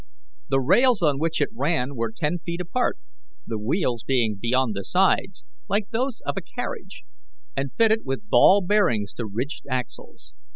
The rails on which it ran were ten feet apart, the wheels being beyond the sides, like those of a carriage, and fitted with ball bearings to ridged axles.